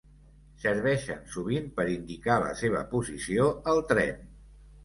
Serveixen sovint per a indicar la seva posició al tren.